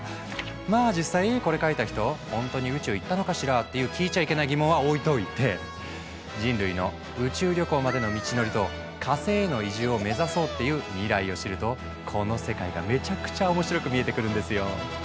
まあ実際これ書いた人ほんとに宇宙行ったのかしら？っていう聞いちゃいけない疑問は置いといて人類の宇宙旅行までの道のりと火星への移住を目指そうっていう未来を知るとこの世界がめちゃくちゃ面白く見えてくるんですよ。